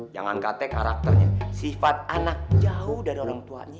jangan katanya karakternya sifat anak jauh dari orangtuanya